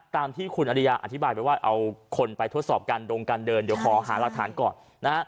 ตามที่คุณอริยาอธิบายไปว่าเอาคนไปทดสอบการดงการเดินเดี๋ยวขอหารักฐานก่อนนะฮะ